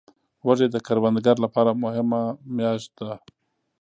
وږی د کروندګرو لپاره مهمه میاشت ده.